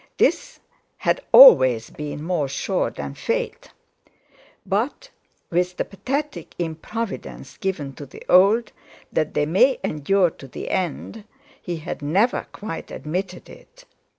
This had always been more sure than Fate; but, with the pathetic improvidence given to the old, that they may endure to the end, he had never quite admitted it.